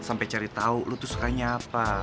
sampai cari tau lo tuh sukanya apa